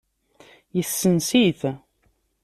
Yesens-it.